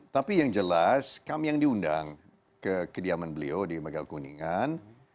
tapi yang jelas kami yang diundang ke kediaman beliau di megal kuningan